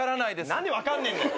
何で分かんねえんだよ。